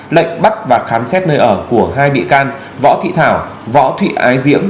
lệnh bắt và khám xét nơi ở của hai bị can võ thị thảo võ thị ái diễm